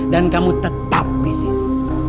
dan kamu tetap di sini